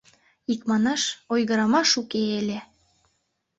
Икманаш, ойгырымаш уке ыле.